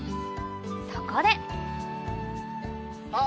そこであ